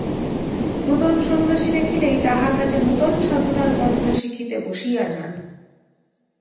নূতন সন্ন্যাসী দেখিলেই তাহার কাছে নূতন সাধনার পন্থা শিখিতে বসিয়া যান।